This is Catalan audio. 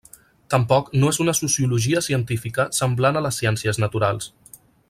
Tampoc no és una sociologia científica semblant a les ciències naturals.